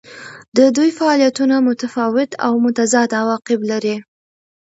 د دوی فعالیتونه متفاوت او متضاد عواقب لري.